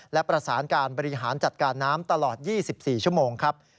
และประสานการบริหารจัดการน้ำตลอด๒๔ชั่วโมงครับ